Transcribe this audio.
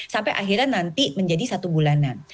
sampai akhirnya nanti menjadi satu bulanan